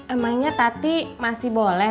emangnya tati masih boleh